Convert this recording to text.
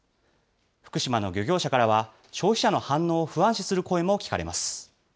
福島の漁業者からは、消費者の反応を不安視する声も聞かれます。